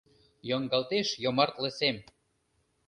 Йоҥгалтеш йомартле сем.